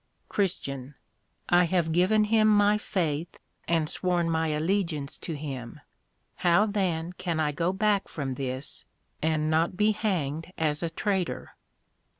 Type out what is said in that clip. CHR. I have given him my faith, and sworn my allegiance to him; how then can I go back from this, and not be hanged as a Traitor?